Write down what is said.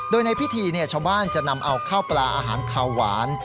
โดยในพิธีชาวบ้านจะนำเอาข้าวปลาอาหารขาวหวาน